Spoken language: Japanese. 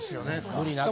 無理なく。